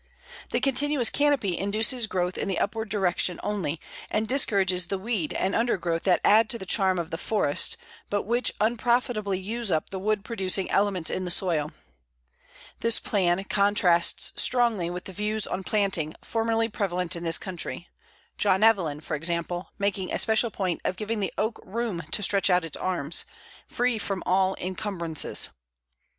The continuous canopy induces growth in the upward direction only, and discourages the weeds and undergrowth that add to the charm of the forest, but which unprofitably use up the wood producing elements in the soil. This plan contrasts strongly with the views on planting formerly prevalent in this country, John Evelyn, for example, making a special point of giving the Oak room to stretch out its arms, "free from all incumbrances."